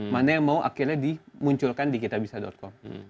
mana yang mau akhirnya dimunculkan di kitabisa com